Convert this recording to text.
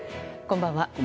こんばんは。